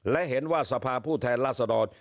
และเห็นว่าสภาพผู้แทนราษฎร